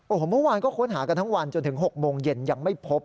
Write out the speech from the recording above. โอ้โหเมื่อวานก็ค้นหากันทั้งวันจนถึง๖โมงเย็นยังไม่พบ